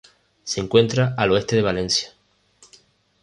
Se encuentra al oeste de Valencia.